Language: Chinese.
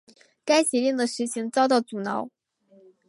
该协定的实行遭到阻挠。